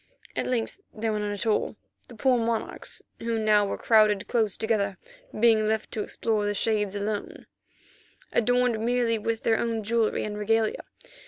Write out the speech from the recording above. At length there were none at all, the poor monarchs, who now were crowded close together, being left to explore the shades alone, adorned merely with their own jewellery and regalia.